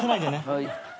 はい。